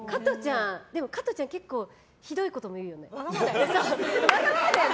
加トちゃん結構ひどいことも言うよね。